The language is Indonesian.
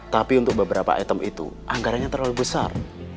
tapi untuk beberapa item itu anggarannya terlalu besar